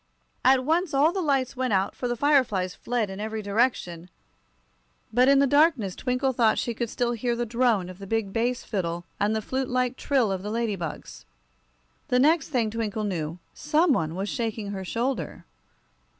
At once all the lights went out, for the fire flies fled in every direction; but in the darkness Twinkle thought she could still hear the drone of the big bass fiddle and the flute like trill of the ladybugs. The next thing Twinkle knew, some one was shaking her shoulder.